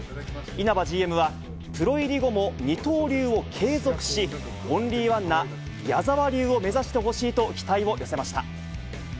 稲葉ＧＭは、プロ入り後も二刀流を継続し、オンリーワンな矢澤流を目指してほしいと期待を寄せました。